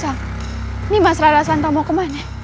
ini mas radasanto mau kemana